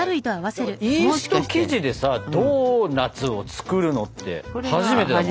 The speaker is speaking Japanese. イースト生地でさドーナツを作るのって初めてだね。